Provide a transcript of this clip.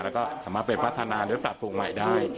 แล้วก็สามารถไปพัฒนาหรือปรับปรุงใหม่ได้